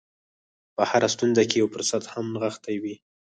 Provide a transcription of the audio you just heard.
په هره ستونزه کې یو فرصت هم نغښتی وي